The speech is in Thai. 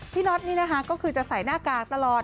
พี่น็อตนี้ก็คือจะใส่หน้ากากตลอด